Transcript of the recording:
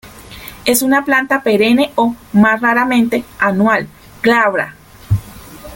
Es una planta perenne o, más raramente, anual, glabra.